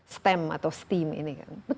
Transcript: stem atau steam ini kan